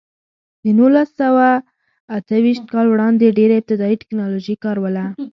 د نولس سوه اته ویشت کال وړاندې ډېره ابتدايي ټکنالوژي کار وله.